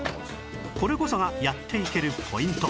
これこそがやっていけるポイント